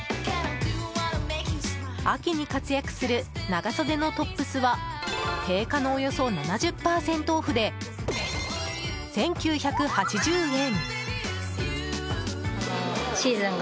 秋に活躍する長袖のトップスは定価のおよそ７０％オフで１９８０円！